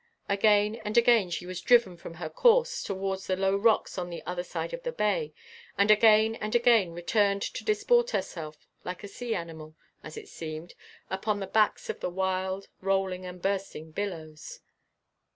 Again and again she was driven from her course towards the low rocks on the other side of the bay, and again and again, returned to disport herself, like a sea animal, as it seemed, upon the backs of the wild, rolling, and bursting billows.